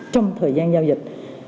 trong thời gian giao dịch